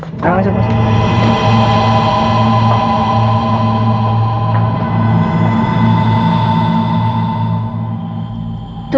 hai sudah langsung masuk masuk